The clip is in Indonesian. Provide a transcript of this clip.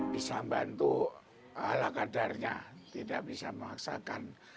bisa bantu ala kadarnya tidak bisa mengaksakan